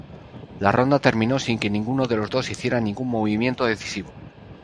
La ronda terminó sin que ninguno de los dos hiciera ningún movimiento decisivo.